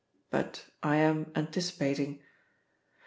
But I am anticipating.